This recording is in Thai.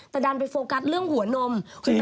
แต่ดันไปโฟกัสเรื่องหัวนม